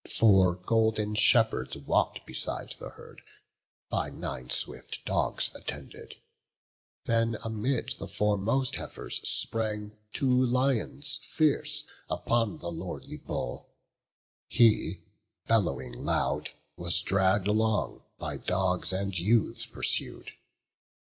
Four golden shepherds walk'd beside the herd, By nine swift dogs attended; then amid The foremost heifers sprang two lions fierce Upon the lordly bull: he, bellowing loud, Was dragg'd along, by dogs and youths pursued.